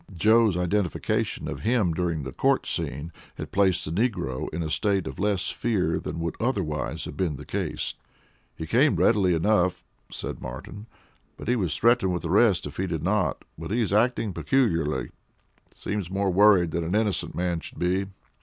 Joe's identification of him during the court scene had placed the negro in a state of less fear than would otherwise have been the case. "He came readily enough," said Martin; "he was threatened with arrest if he did not; but he is acting peculiarly. Seems more worried than an innocent man should be."